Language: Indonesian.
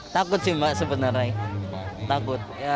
takut sih mbak sebenarnya